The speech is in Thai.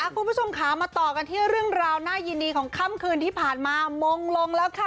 คุณผู้ชมค่ะมาต่อกันที่เรื่องราวน่ายินดีของค่ำคืนที่ผ่านมามงลงแล้วค่ะ